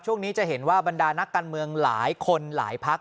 ช่วงนี้จะเห็นว่าบรรดานักการเมืองหลายคนหลายพัก